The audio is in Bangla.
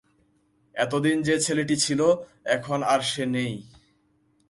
এত দিন যে ছেলেটি ছিল, এখন আর সে নেই।